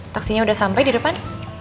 taksinya udah sampai di depan